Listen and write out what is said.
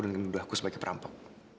dan gendulah aku sebagai perampok